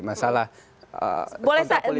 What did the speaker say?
masalah kontrak politik